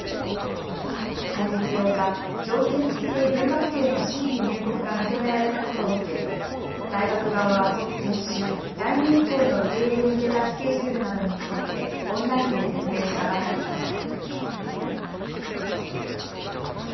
今月８日、条件付きで留学生の新規入国が認められたことを受け大学側は先週、来年以降の受け入れに向けたスケジュールなどについてオンラインで説明したばかりでした。